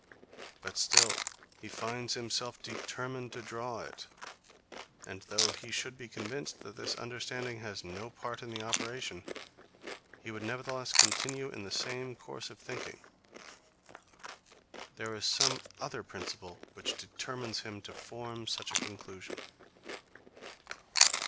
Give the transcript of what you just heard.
But still he finds himself determined to draw it: And though he should be convinced that his understanding has no part in the operation, he would nevertheless continue in the same course of thinking. There is some other principle which determines him to form such a conclusion.